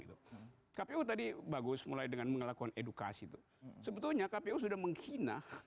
itu tapi udah di bagus mulai dengan melakukan edukasi itu sebetulnya tapi sudah menghina